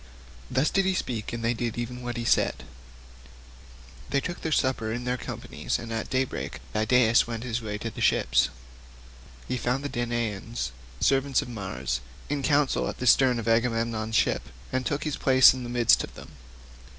Thus did he speak, and they did even as he had said. They took supper in their companies and at daybreak Idaeus went his way to the ships. He found the Danaans, servants of Mars, in council at the stern of Agamemnon's ship, and took his place in the midst of them.